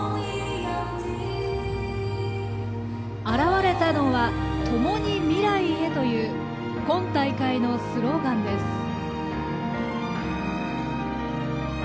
現れたのは「ともに未来へ」という今大会のスローガンです。